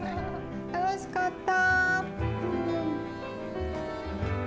楽しかった！